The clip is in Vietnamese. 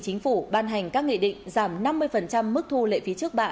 chính phủ ban hành các nghị định giảm năm mươi mức thu lệ phí trước bạ